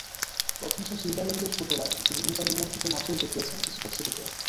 প্রথমজন সুইজারল্যান্ডের ফুটবলার, যিনি Inter Milan থেকে মাত্রই যোগ দিয়েছেন স্টোক সিটিতে।